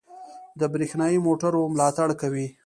د بریښنايي موټرو ملاتړ کوي.